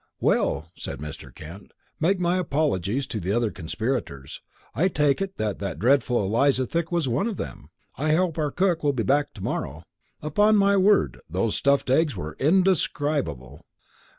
"Well," said Mr. Kent, "make my apologies to the other conspirators. I take it that that dreadful Eliza Thick was one of them. I hope our cook will be back to morrow. Upon my word, those stuffed eggs were indescribable!